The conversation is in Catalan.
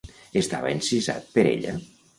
Estava encisat per ella?